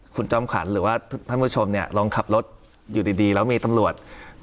คุณจอมขวัญหรือว่าท่านผู้ชมเนี่ยลองขับรถอยู่ดีแล้วมีตำรวจ